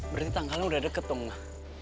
berarti tanggalnya udah deket dong ma